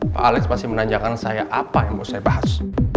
pak alex pasti menanyakan saya apa yang mau saya bahas